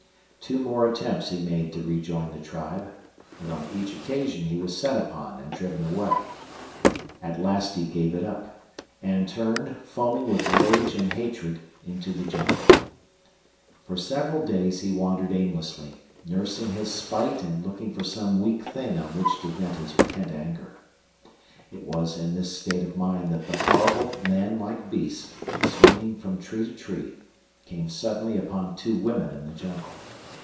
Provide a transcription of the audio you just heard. Two more attempts he made to rejoin the tribe, but on each occasion he was set upon and driven away. At last he gave it up, and turned, foaming with rage and hatred, into the jungle. For several days he wandered aimlessly, nursing his spite and looking for some weak thing on which to vent his pent anger. It was in this state of mind that the horrible, man like beast, swinging from tree to tree, came suddenly upon two women in the jungle.